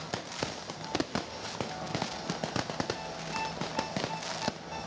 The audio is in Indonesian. aku sudah lakukan kakak